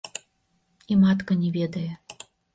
І матка не ведае.